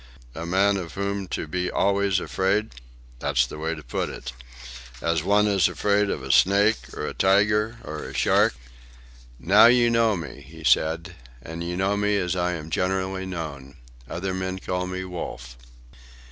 "A man of whom to be always afraid—" "That's the way to put it." "As one is afraid of a snake, or a tiger, or a shark?" "Now you know me," he said. "And you know me as I am generally known. Other men call me 'Wolf.